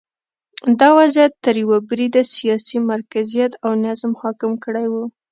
دا وضعیت تر یوه بریده سیاسي مرکزیت او نظم حاکم کړی و